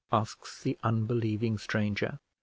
asks the unbelieving stranger.